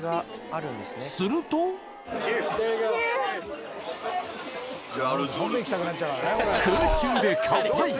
すると空中で乾杯！